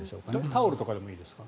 タオルとかでもいいんですか？